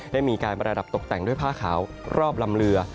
ได้มีการประดับตกแต่งด้วยผ้าขาวรอบลำเรือ